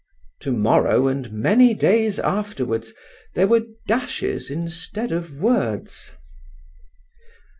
To morrow and many days afterwards there were dashes instead of words.